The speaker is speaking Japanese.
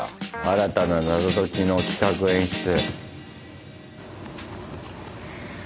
新たな謎解きの企画・演出。